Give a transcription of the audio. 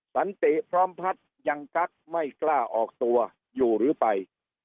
สันติพร้อมพัฒน์ยังกักไม่กล้าออกตัวอยู่หรือไป